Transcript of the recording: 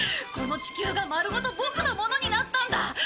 この地球がまるごとボクのものになったんだ！